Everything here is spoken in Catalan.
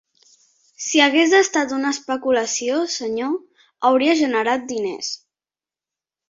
Si hagués estat una especulació, senyor, hauria generat diners.